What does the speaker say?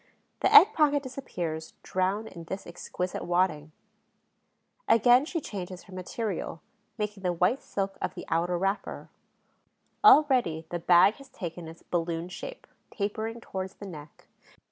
The egg pocket disappears, drowned in this exquisite wadding. Again she changes her material, making the white silk of the outer wrapper. Already the bag has taken its balloon shape, tapering towards the neck.